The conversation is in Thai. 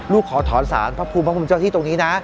ขอถอนสารพระภูมิพระภูมิเจ้าที่ตรงนี้นะ